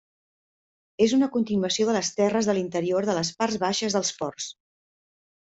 És una continuació de les terres de l’interior de les parts baixes dels Ports.